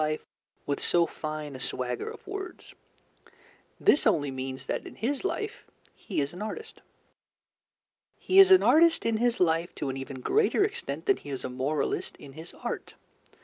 life with so fine a swagger of words. This only means that in his life he is an artist. He is an artist in his life to an even greater extent than he is a moralist in his art.